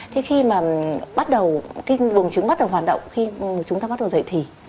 thế khi mà bắt đầu cái bùng trứng bắt đầu hoạt động khi chúng ta bắt đầu dậy thỉ